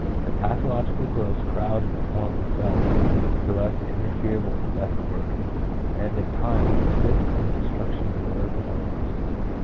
The pathological growths crowd and deform the cells so as to interfere with the best work, and at times assist in the destruction of the nerve elements.